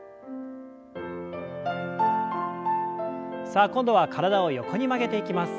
さあ今度は体を横に曲げていきます。